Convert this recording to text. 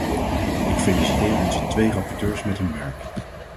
Ik feliciteer onze twee rapporteurs met hun werk.